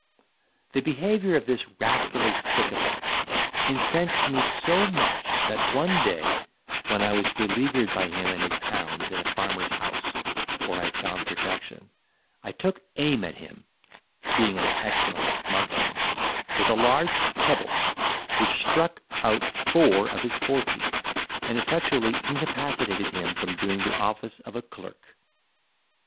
The behaviour of this rascally sycophant incensed me so much, that one day, when I was beleaguered by him and his hounds in a farmer's house, where I had found protection, I took aim at him (being an excellent marksman) with a large pebble, which struck out four of his foreteeth, and effectually incapacitated him from doing the office of a clerk.